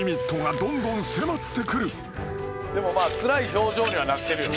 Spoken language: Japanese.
でもまあつらい表情にはなってるよね。